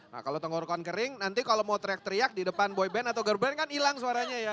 nah kalau tenggorokan kering nanti kalau mau teriak teriak di depan boy band atau girl band kan hilang suaranya ya